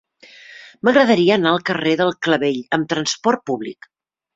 M'agradaria anar al carrer del Clavell amb trasport públic.